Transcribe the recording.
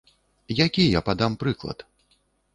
Які я падам прыклад?